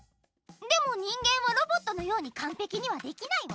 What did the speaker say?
でも人間はロボットのようにかんぺきにはできないわ。